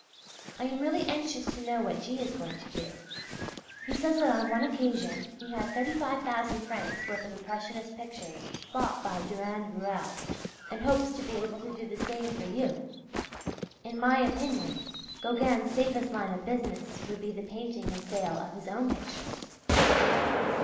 I am really anxious to know what G. is going to do. He says that on one occasion he had 35,000 francs' worth of impressionist pictures bought by Durand Ruel, and hopes to be able to do the same for you. In my opinion Gauguin's safest line of business would be the painting and sale of his own pictures.